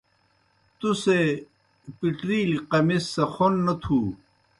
تُوْ سے پِٹرِیلیْ قمِص سہ خوْن نہ تُھو۔